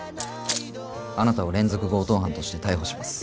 あなたを連続強盗犯として逮捕します。